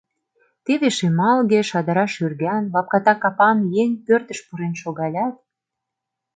Теве шемалге, шадыра шӱрган, лапката капан еҥ пӧртыш пурен шогалят